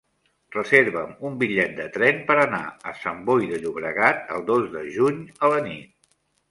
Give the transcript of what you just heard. Reserva'm un bitllet de tren per anar a Sant Boi de Llobregat el dos de juny a la nit.